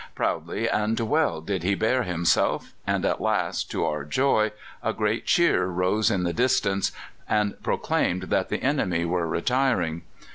Proudly and well did he bear himself; and at last, to our joy, a great cheer rose in the distance, and proclaimed that the enemy were retiring.